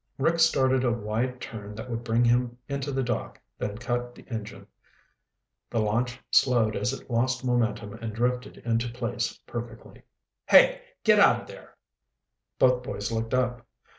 Rick started a wide turn that would bring him into the dock, then cut the engine. The launch slowed as it lost momentum and drifted into place perfectly. "Hey! Get out of there!" Both boys looked up.